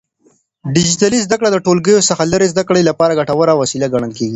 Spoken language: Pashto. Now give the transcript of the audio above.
ډيجيټلي زده کړه د ټولګیو څخه لرې زده کړې لپاره ګټوره وسيله ګڼل کېږي.